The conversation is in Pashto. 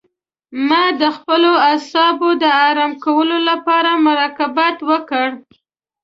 ما د خپلو اعصابو د آرام کولو لپاره مراقبت وکړ.